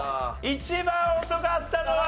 一番遅かったのは。